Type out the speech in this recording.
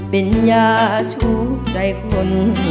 เป็นยาชูใจคนจนหล่นอยู่